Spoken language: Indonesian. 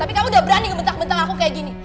tapi kamu udah berani ngementak mentak aku kayak gini